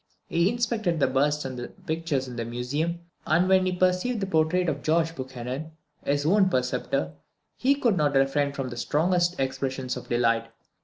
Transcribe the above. He inspected the busts and pictures in the museum, and when he perceived the portrait of George Buchanan, his own preceptor, he could not refrain from the strongest expressions of delight.